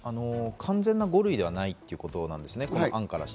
完全な５類ではないということですね。